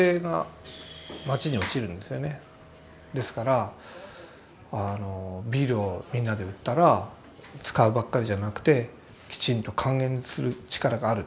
ですからビールをみんなで売ったら使うばっかりじゃなくてきちんと還元する力がある。